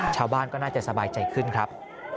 ชาวบ้านก็น่าจะสบายใจขึ้นครับ